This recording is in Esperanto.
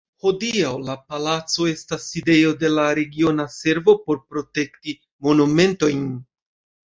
Hodiaŭ la palaco estas sidejo de la Regiona Servo por Protekti Monumentojn.